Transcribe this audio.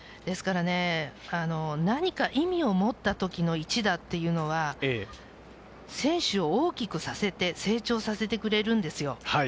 何か意味を持った時の一打というのは、選手を大きくさせて成長させてくれるんですよ。